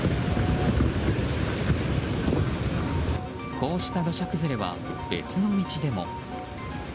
こうした土砂崩れは別の道でも。